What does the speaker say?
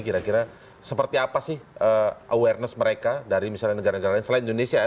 kira kira seperti apa sih awareness mereka dari misalnya negara negara lain selain indonesia ya